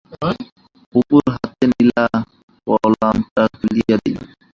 অপুর হাতে লীলা কলামটা তুলিয়া দিল।